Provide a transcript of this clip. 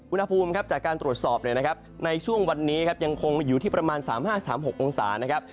อุณหภูมิครับจากการตรวจสอบในช่วงวันนี้ครับยังคงอยู่ที่ประมาณ๓๕๓๖องศานะครับ